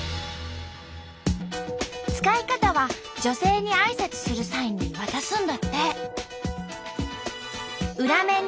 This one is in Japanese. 使い方は女性にあいさつする際に渡すんだって。